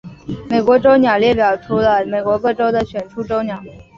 美国州鸟列表列出了美国各州的选出州鸟。